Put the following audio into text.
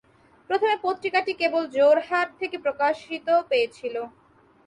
প্রথমে পত্রিকাটি কেবল যোরহাট থেকে প্রকাশিত পেয়েছিল।